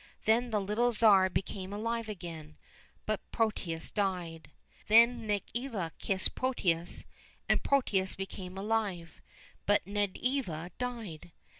Then the little Tsar became alive again, but Protius died. Then Nedviga kissed Protius and Protius became alive, but Nedviga died.